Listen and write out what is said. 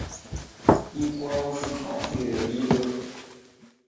Ikwau sipatire dilo